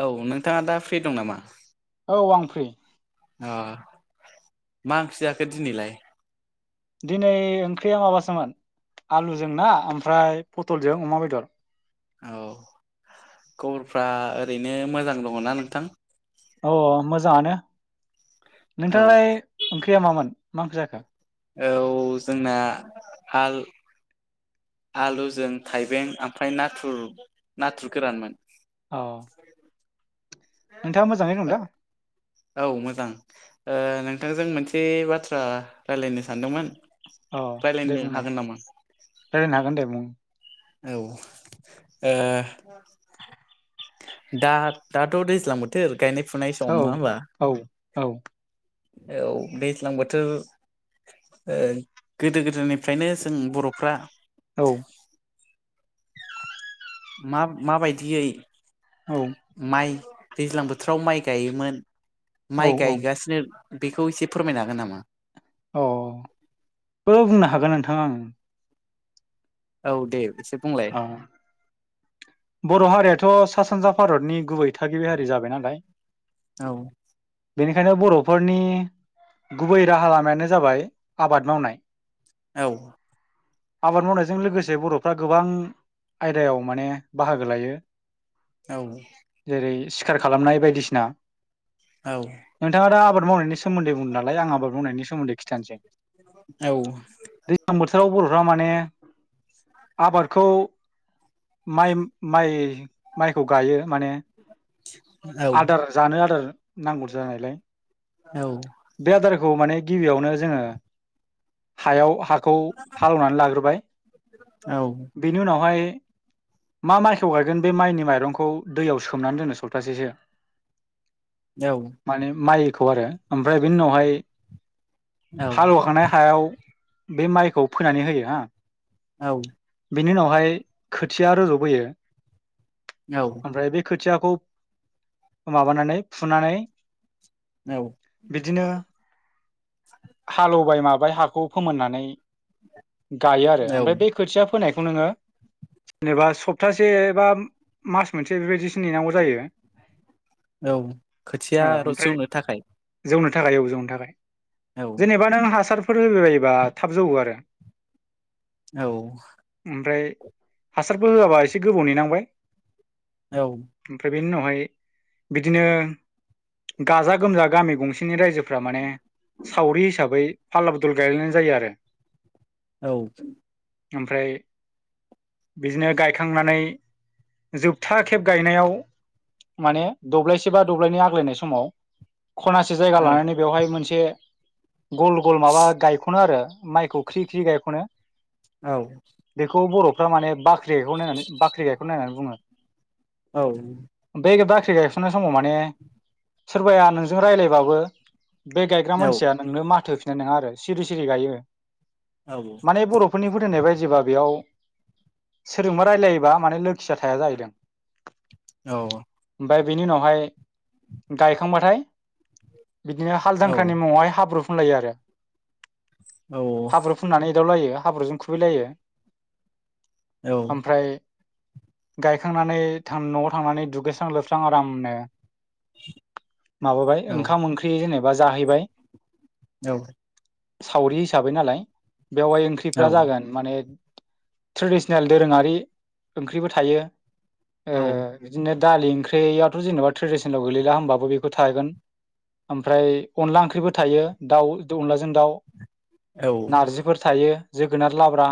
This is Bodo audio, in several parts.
औ नोंथाङा दा फ्रि दं नामा औ आं फ्रि आ मा ओंख्रि जाखो दिनैलाय दिनै ओंख्रिया माबासोमोन आलुजों ना ओमफ्राय पटलजों अमा बेदर औ खबरफ्रा ओरैनो मोजां दङना नोंथां अ मोजाङानो औ नोंथांनालाय ओंख्रिया मामोन मा ओंख्रि जाखो औ जोंना हाल आलुजों थाइबें ओमफ्राय नाथुर नाथुर गोरानमोन औ नोंथाङा मोजाङै दंदा औ मोजां ओ नोंथांजों मोनसे बाथ्रा रायज्लायनो सानदोंमोन अ दे रायलायनो बुंनाय हागोन नामा रायलायनो हागोन दे बुं औ ओ दा दाथ' दैज्लां बोथोर गायनाय फुनाय औ सम नङा होमबा औ औ औ दैज्लां बोथोर ओ गोदो - गोदायनिफ्रायनो जों बर'फ्रा औ मा मा बायदियै औ माइ दैज्लां बोथोराव माइ गायोमोन औ माइ गायगासिनो बेखौ एसे फोरमायनो हागोन नामा? अ बो बुंनो हागोन नोंथां आं औ दे एसे बुंलाय अ बर' हारियाथ' सा सानजा भारतनि गुबै थागिबि हारि जाबाय नालाय औ बेनिखायनो बर'फोरनि गुबै राहा लामायानो जाबाय आबाद मावनाय औ आबाद मावनायजों लोगोसे बर'फ्रा गोबां आयदायाव माने बाहागो लायो औ खार खालामनाय बायदिसिना औ नोंथाङा दा आबाद मावनायनि सोमोन्दै बुंदों नालाय आं आबाद मावनायनि सोमोन्दै खिथानोसै औ दैज्लां बोथोराव बर'फ्रा माने आबादखौ माइ- माइ माइखौ गायो माने औ आदार जानो आदार नांगौ जानायलाय औ बे आदारखौ माने गिबियावनो जोङो हायाव हाखौ हालेवनानै लाग्रोबाय, औ बेनि उनावहाय मा माइखौ गायगोन बे माइनि माइरंखौ दैयाव सोमनानै दोनो सप्तासेसो, माने माइखौ आरो ओमफ्राय बेनि उनावहाय हालेवखांनाय हायाव बे माइखौ फोनानै होयो हा औ बेनि उनावहाय खोथिया रज'बोयो, ओमफ्राय बे खोथियाखौ माबानानै फुनानै औ बिदिनो हालेवबाय मा बाय हाखौ फोमोननानै गायो आरो, ओमफ्राय बे खोथिया फोनायखौ नोङो जेनेबा सप्तासे एबा मास मोनसे बेबायदि नेनांगौ जायो औ खोथिया ओ ओमफ्राय जौनो थाखाय जौनो नो थाखाय औ जौनो थाखाय औ जेबा नों हासार फोर होहोयोबा थाब जौवो आरो औ ओमफ्राय हासारबो होआबा एसे गोबाव नेनांबाय औ ओमफ्राय बेनि उनावहाय बिदिनो गाजा-गोमजा गामि गं सेनि रायजोफ्रा माने सावरि हिसाबै फाला बदल गायलायनाय जायो आरो। औ ओमफ्राय बिदिनो गायखांनानै जोबथा खेब गायनायाव माने दब्लायसे बा दब्लायनै आग्लायनाय समाव खनासे जायगा औ लानानै बेवहाय मोनसे गल - गल माबा गायखनो आरो माइखौ ख्रि-ख्रि गायख'नो बेखौ बरफ्रा माने बाख्रि गायक गयखननाय होननानै बुंङो। औ बे बाख्रि गायखननाय समाव माने सोरबाया नोंजों रायलायबाबो बे गायग्रा मानसिया नोंनो माथो होफिननाय नंङा आरो सिरि सिरि गायो माने बर' फोथायनाय बायदिबा बेयाव सोरजोंबा रायलायोबा माने लोखिया थाया जाहैदों औ ओमफ्राय बिनि उनावहाय गायखांबाथाय बिदिनो हाल जांख्रानि मुङावहाय हाब्रु फुनलायो आरो। हाब्रु फुननानै एदावलायो हाब्रुजों खुबैलायो ओमफ्राय गायखांनानै थां नआव थांनानै दुगैस्रां-लोबस्रां आरामनो माबाबाय ओंखाम-ओंख्रि जेनेबा जाहैबाय औ सावरि हिसाबै नालाय बेवहाय ओंख्रिफ्रा जागोन माने ट्रेडिसनेल दोरोंङारि ओंख्रिबो थायो ओ औ बिदिनो दालि ओंख्रियाथ जेनेबा ट्रेडिसनेलाव गोलैला, होनोमबाबो बेखौ थागोन ओमफ्राय अनला ओंख्रिबो थायो, दाउ, अनलाजों दाउ, औ नारजिफोर थायो, जोगोनार लाब्रा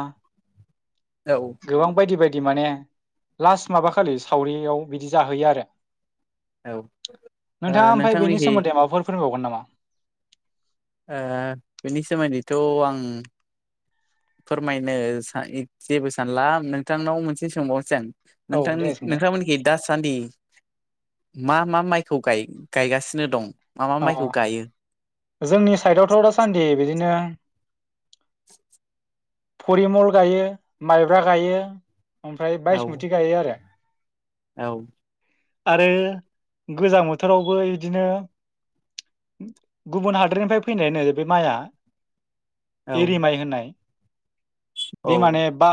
औ गोबां बायदि बायदि माने लास्ट माबा खालि सावरियाव बिदि जाहोयो आरो औ ओ नोंथाङा ओमफ्राय बेनि नोंथांमोननिखै सोमोन्दै माबाफोर फोरमायबावगोन नामा ओ बेनि सोमोन्दैथ' आं फोरमायनो जेबो सानला नोंथांनाव मोनसे सोंबावनोसै आं औ नोंथांनि दिनै सोंलाय नोंथांमोनिखि दासान्दि मा मा माइखौ गाय गायगासिनो दं मा मा माइखौ गायो? अ' जोंनि साइदआवथ दासान्दि बिदिनो फरिमल गायो माइब्रा गायो ओमफ्राय औ बायसमुथि गायो आरो औ आरो गोजां बोथोरावबो बिदिनो गुबुन हादोरनिफ्राय फैनायानो बे माइआ औ एरिमाइ होननाय औ बे माने बा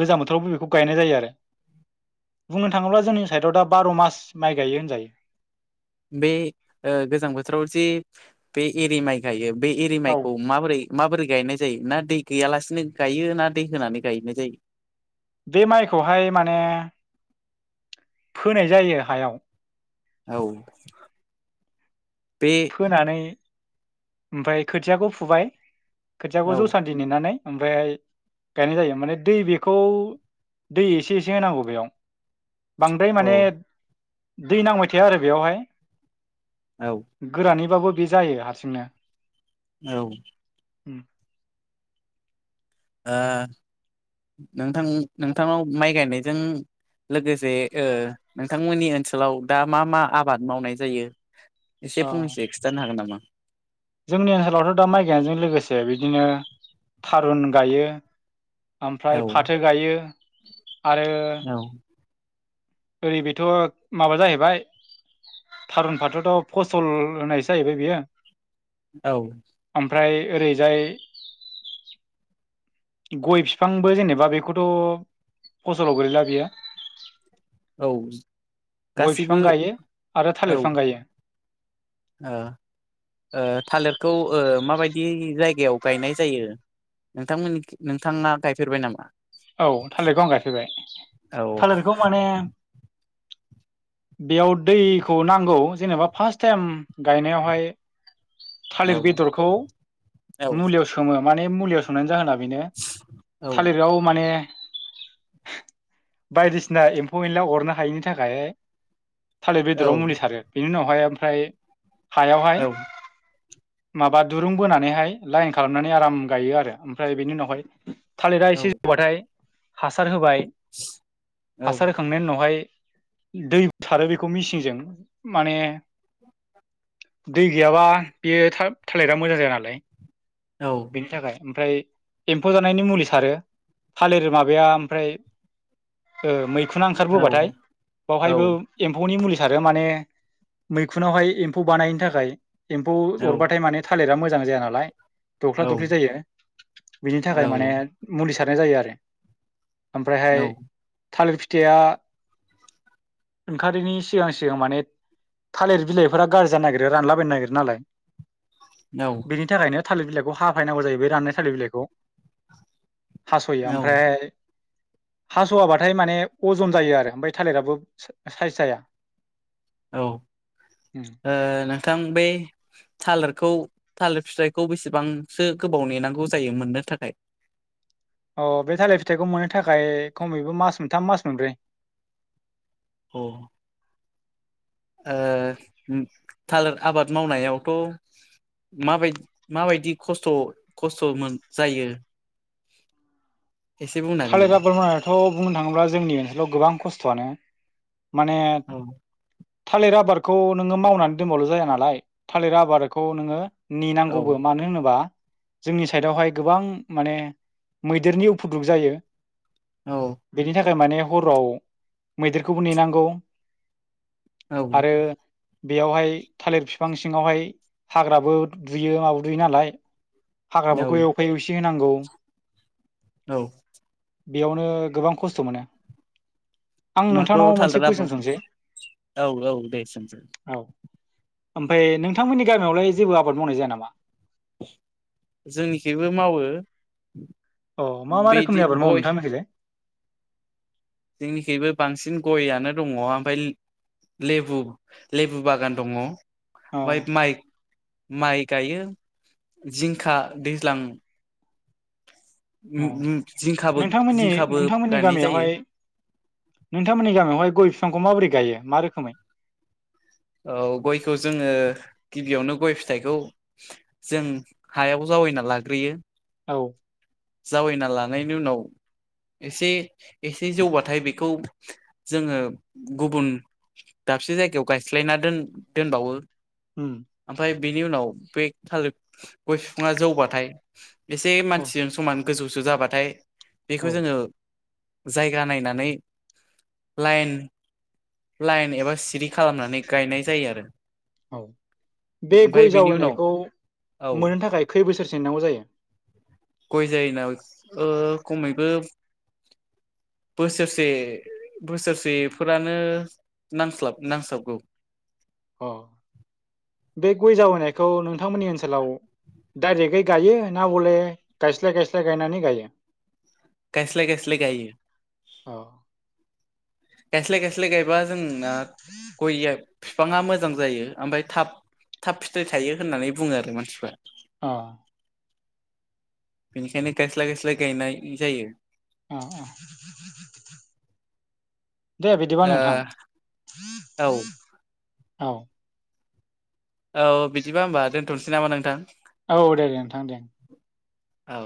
गोजां बोथोरावबो बेखौ गायनाय जायो आरो बुंनो थाङोब्ला जोंनि साइडआव दा बार मास माइ गायो होनजायो बे ओ गोजां बोथोराव जि बे एरिमाइ गायो बे औ एरिमाइखौ माबोरै माबोरै गायनाय जायो ना दै गैयालासिनो गायो ना दै होनानै गायनाय जायो बे माइखौहाय माने फोनाय जायो हायाव औ [inaudible] फोनानै ओमफ्राय खोथियाखौ फुबाय औ खोथियाखौ जसान्दि नेनानै ओमफ्रायहाय गायनाय जायो माने दै बेखौ दै एसे एसे होनांगौ बेयाव बांद्राय माने औ दै नांबाय थाया आरो बेयावहाय औ गोरानैबाबो बे जायो हारसिंनो औ उम [inaudible] ओ नोंथां नोंथांआव माइ गायनायजों लोगोसे ओ नोंथांमोननि ओनसोलाव दा मा मा आबाद मावनाय जायो इसे औ फंनैसो खिथानो हागोन नामा जोंनि ओनसोलावथ' दा माइ गायनायजों लोगोसे बिदिनो थारुन गायो। औ ओमफ्राय फाथो गायो। आरो औ ओरै बेथ' माबा जाहैबाय थारुन फाथोथ' फसल होनायसो जाहैबाय बियो औ ओमफ्राय ओरैजाय गय बिफांबो जेनेबा बेखौथ' फसलाव गोलैला बियो औ गय बिफां गासैबो गायो आरो औ थालिर बिफां गायो। ओ ओ थालिरखौ ओ माबायदि जायगायाव गायनाय जायो? नोंथांमोननि नोंथाङा गायफेरबाय नामा? औ थालिरखौ आं गायफेरबाय औ थालिरखौ माने बेयाव दैखौ नांगौ जेनेबा फार्स्ट टाइम गायनायावहाय औ थालिर बेदरखौ औ मुलियाव सोमो माने मुलियाव सोमनायनि जाहोना बिनो औ थालिराव माने बायदिसिना एम्फौ एनला अरनो हायिनि थाखाय। थालिर औ बेदराव मुलि सारो बेनि उनावहाय ओमफ्राय हायावहाय औ माबा दुरुं बोनानैहाय लाइन खालामनानै आराम गायो आरो ओमफ्राय बेनि उनावहाय थालिरा एसे जौबाथाय हासार होबाय औ हासार होखांनायनि उनावहाय दैबो सारो बेखौ मिसिंजों माने दै गैयाबा बेयो थालिरा मोजां जाया नालाय। औ बेनि थाखाय ओमफ्राय एम्फौ जानायनि मुलि सारो। थालिर माबाया ओमफ्राय। मैखुना औ ओंखारबोबाथाय बावहायबो एमफौनि मुलि। बेयाव माने मैखुनावहाय एम्फौ बानायनि थाखाय। एम्फौ अरबाथाय माने थालिरा मोजां जाया नालाय दख्ला दख्लि जायो। बिनि थाखाय माने मुलि सारनाय जायो आरो ओमफ्रायहाय। थालिर फिथाइया ओंखारैनि सिगां सिगां माने। थालिर बिलाइफोरा गाज्रि जानो नागिरो रानलाबायनो नागिरो नालाय। बेनि थाखायनो थालिर बिलाइखौ हाफायनांगौ जायो बे राननाय थालिर बिलाइखौ। हास'यो औ ओमफ्राय हास'वाबाथाय माने अजन जायो आरो ओमफ्राय थालिराबो साइस जाया। औ नोंथां बे थालिरखौ थालिर फिथाइखौ बेसेबांसो गोबाव नेनांगौ जायो मोननो थाखाय। अ बे थालिर फिथाइखौ मोननो थाखाय खमैबो मास मोनथाम मास मोनब्रै। अ ओ थालिर आबाद मावनायावथ' माबायदि माबायदि खस्थ' खस्थ' मोन जायो। उ एसे बुंनो हागोन नामा थालिरा बमायायाथ' बुंनो थाङोब्ला जोंनि गोबां ओनसोलाव गोबां खस्थ'आनो। माने औ थालिर आबादखौ नोङो मावनानै दोनबाल' जाया नालाय थालिर आबादखौ नोङो औ नेनांगौबो मानो होनोबा जोंनि साइडआवहाय गोबां माने मैदेरनि उफुद्रुब जायो। [unintelligible] दा माने हराव मैदेरखौबो नेनांगौ। औ आरो बेयावहाय थालिर बिफ बिफां सिङावहाय हाग्राबो दुयो आवदुयो नालाय। औ हाग्राफोरखौ एवफाय एवसे होनांगौ। औ। बेयावनो गोबां खस्थ' मोनो। आं होमबाथ' नोंथांनाव मोनसे थालिराबो कुइसन सोंसै औ औ दे सोंसै औ। ओमफ्राय नोंथांमोननि गामियावलाय जेबो आबाद मावनाय जाया नामा। जोंनिखिबो मावो। अ मा-मा बिदि रोखोमनि आबाद मावो नोंथांमोनखिजाय। जोंनिख्रुइबो बांसिन गयानो दं। लेबु-लेबु बागान दं। [unintelligible] औ माइ-माइ गायो जिंखा दैज्लां अ उम उम जिंखाबो जिंखाबो नोंथांमोननि-नोंथांमोननि गायनाय जायो गामियावहाय नोंथांमोननि गामियावहाय गय बिफांखौ माबोरै गायो मा रोखोमै। औ गयखौ जोङो गिबियावनो गय फिथाइखौ जों हायाबो ज जावैना लाग्रोयो। औ। जावैना लानायनि उनाव एसे-एसे जौबाथाय बेखौ जोङो गुबुन दाबसे जायगायाव गायस्लायना दोन दोनबावो। होम। ओमफ्राय बेनि उनाव बे थालिर गय बिफाङा जौबाथाय एसे औ मानसिजों समान गोजौसो जाबाथाय बेखौ औ जोङो जायगा नायनानै लाइन-लाइन एबा सिरि खालामनानै गायनाय जायो आरो। औ बे ओमफाय गय बेनि उनाव जावैनायखौ औ मोननो थाखाय खै बोसोरसो नेनांगौ जायो? गय जायोना खमैबो बोसोरसे बोसोरसेफोरानो नांस्लाब नांस्लाबगौ अ बे गय जावैनायखौ नोंथांमोननि ओनसोलाव डाइरेक्टयै गायो ना बले गायस्लाय गायस्लाय गायनानै गायो? गाइस्लाय गाइस्लाय गाययो। औ गायस्लाइ गायस्लाइ गायबा जोंना गयया बिफाङा मोजां जायो ओमफ्राय थाब थाब फिथाइ थायो होननानै बुङो आरो मानसिफ्रा। अ बेनिखायनो गायस्लााय गायस्लााय गायनाय जायो। अ अ दे बिदिबा नोंथां ओ औ। औ बिदिबा होमबा दोनथ'नोसै नामा नोंथां? औ दे दे नोंथां दे। औ